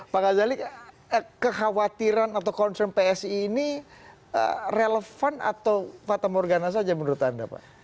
pak gazali kekhawatiran atau concern psi ini relevan atau patah morgana saja menurut anda pak